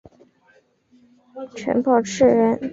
陈宝炽人。